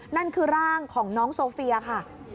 นั่นคือร่างของน้องโซเฟียค่ะ